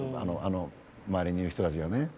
周りにいる人たちがね。